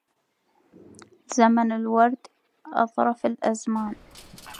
زمن الورد أظرف الأزمان